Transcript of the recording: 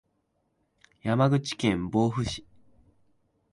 山口県防府市